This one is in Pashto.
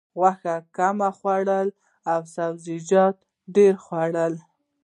غوښه کمه وخوره او سبزیجات ډېر وخوره.